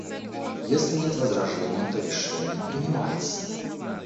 Если нет возражений, то решение принимается.